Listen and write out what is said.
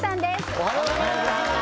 おはようございます